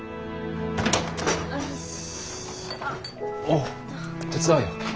おっ手伝うよ。